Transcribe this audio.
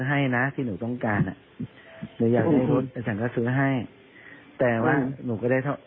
อาจารย์ก็ซื้อให้นะที่หนูต้องการ